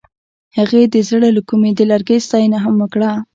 هغې د زړه له کومې د لرګی ستاینه هم وکړه.